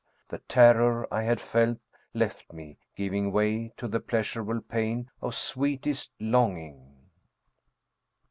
The terror I had felt left me, giving way to the pleasurable pain of sweetest longing.